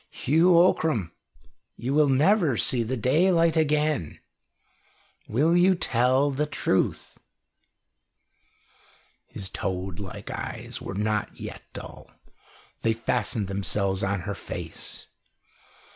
"Hugh Ockram, you will never see the daylight again. Will you tell the truth?" His toad like eyes were not yet dull. They fastened themselves on her face.